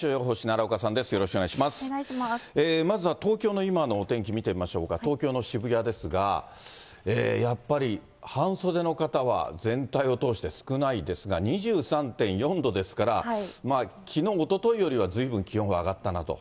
まずは東京の今のお天気、見てみましょうか、東京の渋谷ですが、やっぱり半袖の方は全体を通して少ないですが、２３．４度ですから、きのう、おとといよりはずいぶん気温は上がったなと。